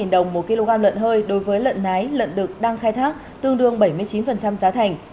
đồng một kg lợn hơi đối với lợn nái lợn đực đang khai thác tương đương bảy mươi chín giá thành